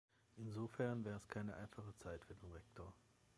Insofern war es keine einfache Zeit für den Rektor.